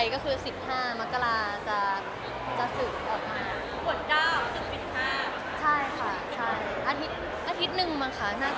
ขอบคุณก็ได้เป็นคนที่มา